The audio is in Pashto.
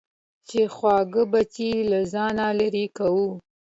چې خواږه بچي له ځانه لېرې کوو.